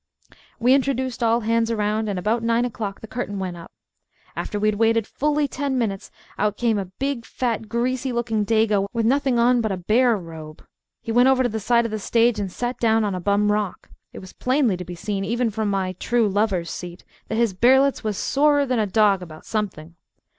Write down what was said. We introduced all hands around, and about nine o'clock the curtain went up. After we had waited fully ten minutes, out came a big, fat, greasy looking Dago with nothing on but a bear robe. He went over to the side of the stage and sat down on a bum rock. It was plainly to be seen, even from my true lovers' seat, that his bearlets was sorer than a dog about something.